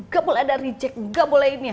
gak boleh ada reject gak boleh ini ya